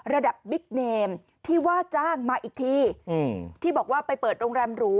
บิ๊กเนมที่ว่าจ้างมาอีกทีที่บอกว่าไปเปิดโรงแรมหรู